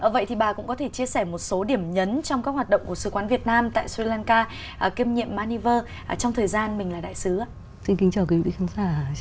vậy thì bà cũng có thể chia sẻ một số điểm nhấn trong các hoạt động của sư quán việt nam tại sri lanka kiêm nhiệm maldives